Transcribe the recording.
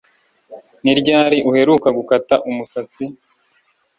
Ni ryari uheruka gukata umusatsi